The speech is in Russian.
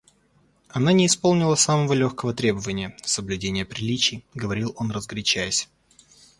Она не исполнила самого легкого требования — соблюдения приличий, — говорил он разгорячаясь.